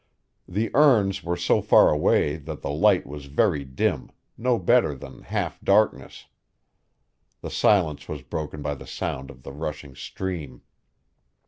The urns were so far away that the light was very dim; no better than half darkness. The silence was broken by the sound of the rushing stream.